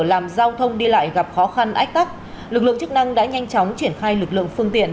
làm giao thông đi lại gặp khó khăn ách tắc lực lượng chức năng đã nhanh chóng triển khai lực lượng phương tiện